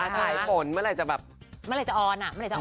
อ๋อถ่ายผลเมื่อไหร่จะอ่อน